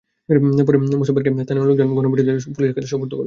পরে মোছাব্বেরকে ধরে স্থানীয় লোকজন গণপিটুনি দিয়ে পুলিশের কাছে সোপর্দ করেন।